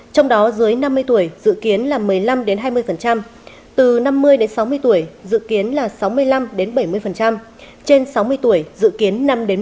trong đó dưới năm mươi tuổi dự kiến là một mươi năm hai mươi từ năm mươi sáu mươi tuổi dự kiến là sáu mươi năm bảy mươi trên sáu mươi tuổi dự kiến năm một mươi